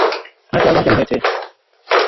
আরেকটা অ্যালবাম কেনা হয়েছে!